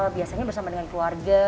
biasanya bersama dengan keluarga